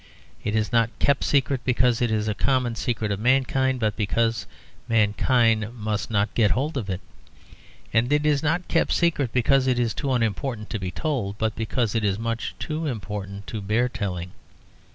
It is not kept secret because it is a common secret of mankind, but because mankind must not get hold of it. And it is not kept secret because it is too unimportant to be told, but because it is much too important to bear telling.